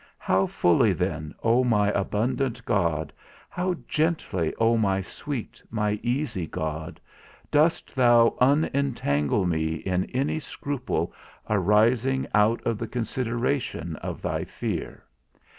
How fully then, O my abundant God, how gently, O my sweet, my easy God, dost thou unentangle me in any scruple arising out of the consideration of thy fear!